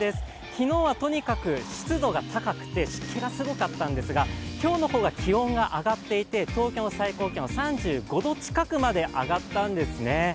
昨日はとにかく湿度が高くて湿気がすごかったんですが、今日の方が気温が上がっていて、東京の最高気温、３５度近くまで上がったんですね。